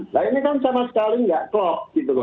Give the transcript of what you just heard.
nah ini kan sama sekali tidak klok gitu loh